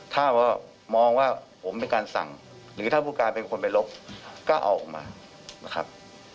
ถ้ามองว่าผมเป็นการสั่งหรือถ้าผู้การเป็นคนไปลบก็เอาออกมานะครับ